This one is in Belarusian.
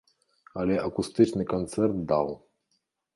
Але акустычны канцэрт даў.